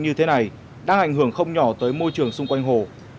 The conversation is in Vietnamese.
như thế này đang ảnh hưởng không nhỏ tới môi trường xung quanh hồ